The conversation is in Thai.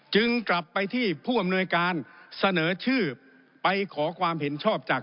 จึงกลับไปที่ผู้อำนวยการเสนอชื่อไปขอความเห็นชอบจาก